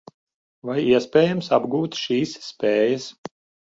Vai iespējams apgūt šīs spējas?